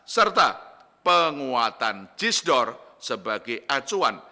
serta penguatan disdor sebagai acuan